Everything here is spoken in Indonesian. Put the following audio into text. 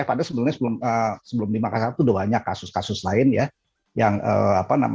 padahal sebelumnya sebelum di makassar itu sudah banyak kasus kasus lain ya